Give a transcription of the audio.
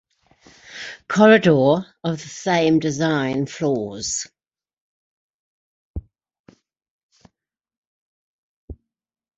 Corridor of the same design floors.